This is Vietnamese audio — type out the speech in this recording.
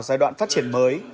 giai đoạn phát triển mới